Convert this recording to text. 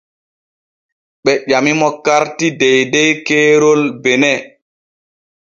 Ɓe ƴamimo karti deydey keerol Benin.